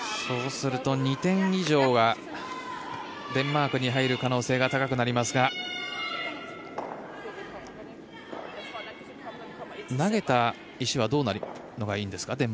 そうすると２点以上がデンマークに入る可能性が高くなりますが投げた石はどうなるのがいいんですか？